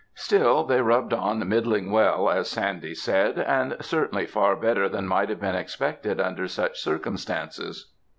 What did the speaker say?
Still they rubbed on "middling well," as Sandy said, and certainly far better than might have been expected under such circumstances.